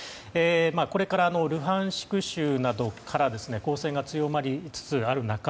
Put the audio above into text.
これからルハンシク州などから攻勢が強まりつつある中